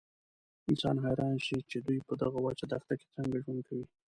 انسان حیران شي چې دوی په دغه وچه دښته کې څنګه ژوند کوي.